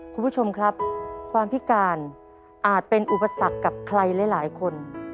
คุณผู้ชมครับความพิการอาจเป็นอุปสรรคกับใครหลายคน